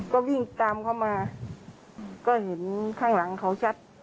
ก็วิ่งตามเข้ามาก็เห็นข้างหลังเขาชัด